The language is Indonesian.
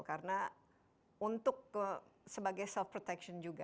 karena untuk sebagai self protection juga